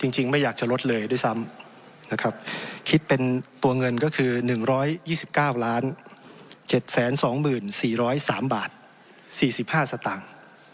จริงไม่อยากจะลดเลยด้วยซ้ำนะครับคิดเป็นตัวเงินก็คือ๑๒๙๗๒๔๐๓บาท๔๕สตางค์